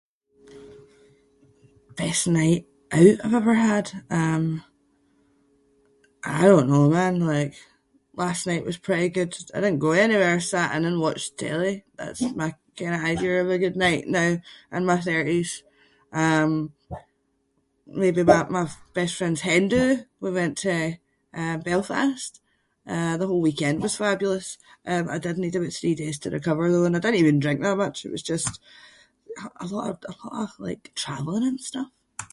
Best night out I’ve ever had? Um, I don’t know man like last night was pretty good. I didn’t go anywhere, sat in and watched telly, that’s my kind of idea of a good night now, in my thirties. Um, maybe my- my best friend’s hen do? We went to uh Belfast, uh the whole weekend was fabulous. Um I did need aboot three days to recover though and I didnae even drink that much, it was just a lot- a lot of like travelling and stuff.